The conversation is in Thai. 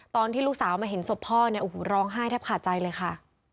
ตอนที่ลูกสาวมาเห็นศพพ่อร้องไห้แทบขาดใจเลยค่ะ